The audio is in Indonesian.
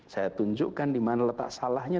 saya tunjukkan dimana letak salahnya